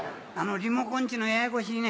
リモコンっちゅうのはややこしいね。